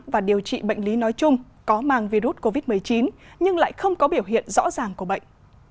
và điều trị bệnh lý nói chung có mang virus covid một mươi chín nhưng lại không có biểu hiện rõ ràng của bệnh